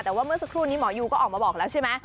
แต่ว่าเมื่อสักครู่นี้หมอยูก็ออกมาบอกแล้วใช่ไหม